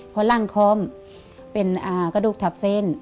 เพราะร่างคอมเป็นกระดูกทับเส้น